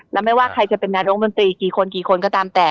และไม่ว่าใครจะเป็นนายรมดนตรีกี่คนกี่คนก็ตามแต่